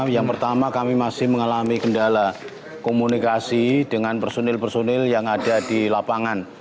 yang pertama kami masih mengalami kendala komunikasi dengan personil personil yang ada di lapangan